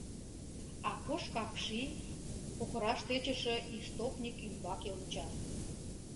Акош какши, кокыраш тӧчышӧ истопник ӱмбаке онча.